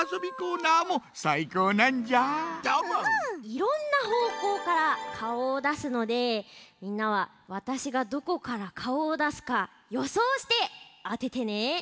いろんなほうこうからかおをだすのでみんなはわたしがどこからかおをだすかよそうしてあててね。